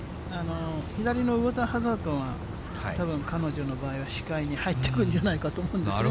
左のウォーターハザードが、たぶん、彼女の場合は視界に入ってくるんじゃないかと思うんですね。